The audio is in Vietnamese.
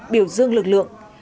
biểu dương lực lượng